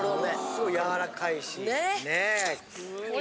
すごいやわらかいし。ね？